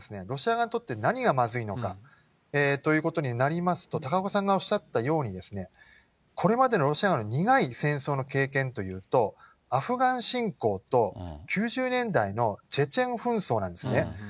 ロシア側にとって何がまずいのかということになりますと、高岡さんがおっしゃったように、これまでのロシアの苦い戦争の経験というと、アフガン侵攻と、９０年代のチェチェン紛争なんですね。